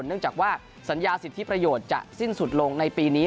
เนื่องจากว่าสัญญาสิทธิประโยชน์จะสิ้นสุดลงในปีนี้